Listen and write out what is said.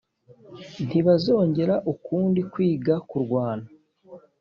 ntibazongera ukundi kwiga kurwana.